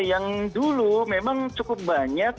yang dulu memang cukup banyak